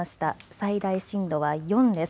最大震度は４です。